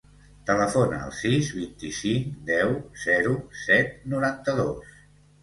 Telefona al sis, vint-i-cinc, deu, zero, set, noranta-dos.